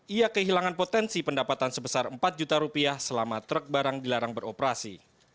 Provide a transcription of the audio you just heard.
ia kehilangan potensi pendapatan sebesar empat juta rupiah selama truk barang dilarang beroperasi